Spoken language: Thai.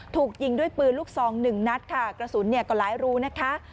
ถูกยิงด้วยปืนลูกซอง๑นัดค่ะกระสุนก็หลายรูนะคะ